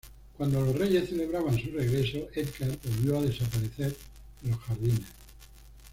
Cuando los reyes celebraban su regreso, Edgard volvió a desaparecer en los jardines.